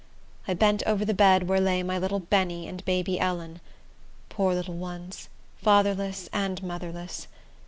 I bent over the bed where lay my little Benny and baby Ellen. Poor little ones! fatherless and motherless!